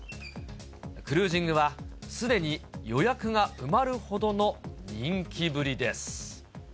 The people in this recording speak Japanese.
クルージングは、すでに予約が埋まるほどの人気ぶりです。